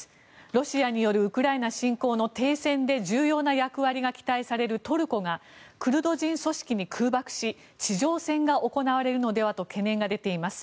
ロシアによるウクライナ侵攻の停戦で重要な役割が期待されるトルコがクルド人組織に空爆し地上戦が行われるのではと懸念が出ています。